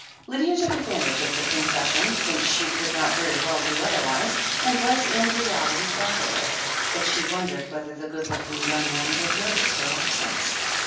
Lydia took advantage of the concession, since she could not very well do otherwise, and was in reality glad of it, but she wondered whether the good looking yotmg man would notice her absence.